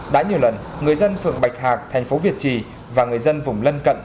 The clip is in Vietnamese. đã nhiều lần người dân phường bạch hạc thành phố việt trì và người dân vùng lân cận